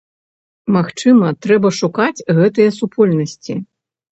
Магчыма, трэба шукаць гэтыя супольнасці.